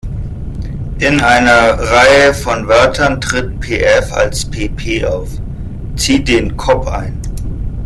In einer Reihe von Wörtern tritt "-pf-" als "-pp-" auf: "Zieh den Kopp ein.